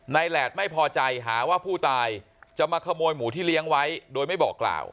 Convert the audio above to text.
แหลดไม่พอใจหาว่าผู้ตายจะมาขโมยหมูที่เลี้ยงไว้โดยไม่บอกกล่าว